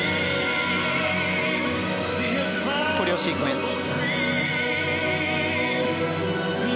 コレオシークエンス。